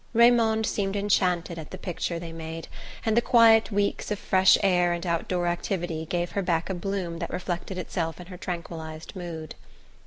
Raymond seemed enchanted at the picture they made, and the quiet weeks of fresh air and outdoor activity gave her back a bloom that reflected itself in her tranquillized mood.